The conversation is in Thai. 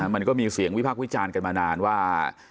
มันก็มีเสียงวิพากษ์วิจารณ์กันมานานว่า